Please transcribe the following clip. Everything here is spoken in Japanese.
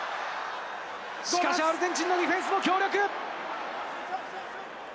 しかし、アルゼンチンのディフェンスも強力！